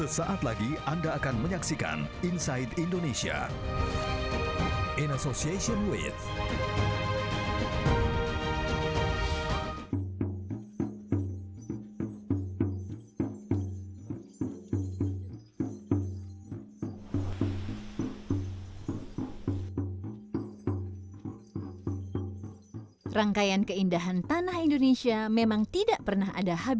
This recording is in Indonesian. sampai jumpa di video selanjutnya